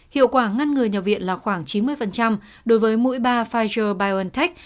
hiệu quả ngăn ngừa nhập viện là khoảng chín mươi đối với mũi ba pfizer biontech